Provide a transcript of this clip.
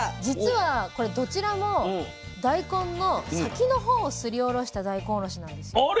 実はこれどちらも大根の先の方をすりおろした大根おろしなんですよ。